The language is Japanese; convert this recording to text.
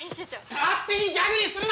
勝手にギャグにするな！